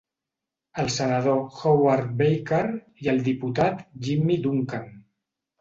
El senador Howard Baker i el diputat Jimmy Duncan.